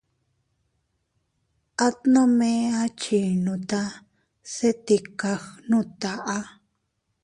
At nome a chinninuta se tika gnuta.